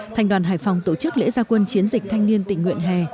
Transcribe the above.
thành đoàn hải phòng tổ chức lễ gia quân chiến dịch thanh niên tình nguyện hè